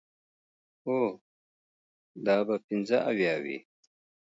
هو، دا به پنځه اویا وي.